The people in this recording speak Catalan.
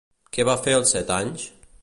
Què va fer als set anys?